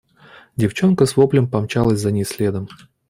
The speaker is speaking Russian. Девчонка с воплем помчалась за ней следом.